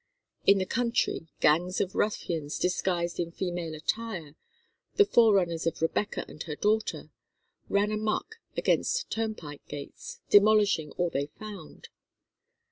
In the country gangs of ruffians disguised in female attire, the forerunners of Rebecca and her daughter, ran amuck against turnpike gates, demolishing all they found.